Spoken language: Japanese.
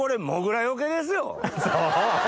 そう！